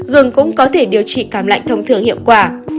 gương cũng có thể điều trị cảm lạnh thông thường hiệu quả